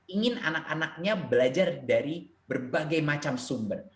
ingin anak anaknya belajar dari berbagai macam sumber